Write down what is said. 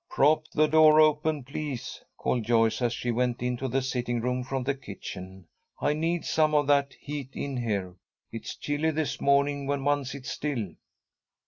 "Prop the door open, please," called Joyce, as he went into the sitting room from the kitchen. "I need some of that heat in here. It's chilly this morning when one sits still."